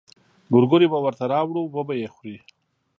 ګورګورې به ورته راوړو وبه يې خوري.